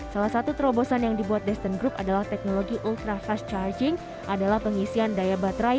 salah satu terobosan yang dibuat desten group adalah teknologi ultra fast charging adalah pengisian daya baterai